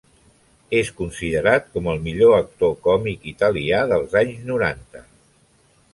És considerat com el millor actor còmic italià dels anys noranta.